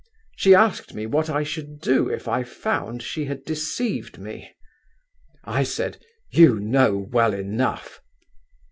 She asked me what I should do if I found she had deceived me. I said, 'You know well enough.